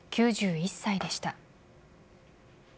９１歳でした。